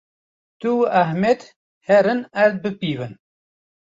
Tu û Ehmed herin erd bipîvin.